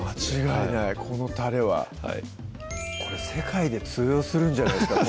このたれはこれ世界で通用するんじゃないですか？